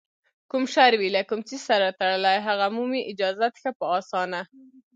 کوم شر وي له کوم څیز سره تړلی، هغه مومي اجازت ښه په اسانه